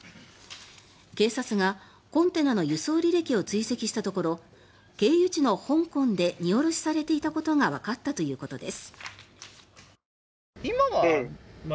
警察がコンテナの輸送履歴を追跡したところ経由地の香港で荷下ろしされていたことがわかったということです。